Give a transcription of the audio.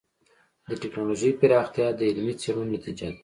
د ټکنالوجۍ پراختیا د علمي څېړنو نتیجه ده.